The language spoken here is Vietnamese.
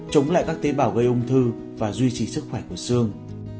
chống lại các tế bào gây ung thư và duy trì sức khỏe của xương